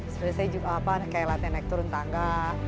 terus saya juga kayak latihan naik turun tangga